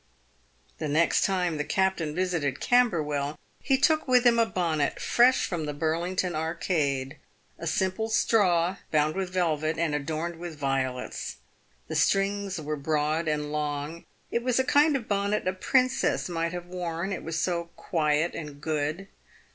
_ The next time the captain visited Camberwell he took with him a bonnet, fresh from the Burlington Arcade. A simple straw, bound with velvet, and adorned with violets. The strings were broad and long. It was a kind of bonnet a princess might have worn, it was so quiet and good.